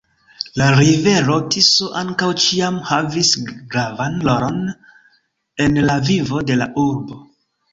La rivero Tiso ankaŭ ĉiam havis gravan rolon en la vivo de la urbo.